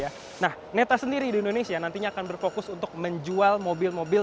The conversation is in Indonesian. selalu budget gitu ya nah netta sendiri di indonesia nantinya akan berfokus untuk menjual mobil mobil